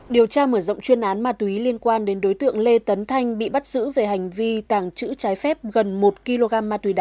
điều tra mở rộng chuyên án ma túy liên quan đến đối tượng lê tấn thanh bị bắt giữ về hành vi tàng trữ trái phép gần một kg ma túy đá